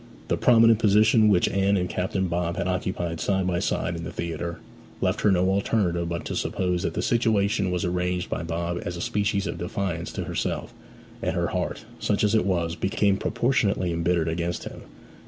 The prominent position which Anne and Captain Bob had occupied side by side in the theatre, left her no alternative but to suppose that the situation was arranged by Bob as a species of defiance to herself; and her heart, such as it was, became proportionately embittered against him.